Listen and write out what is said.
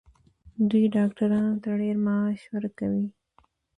دوی ډاکټرانو ته ډیر معاش ورکوي.